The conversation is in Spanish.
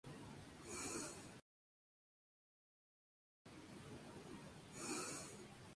Esta tradición tendría su origen en la reforma del rey Josías.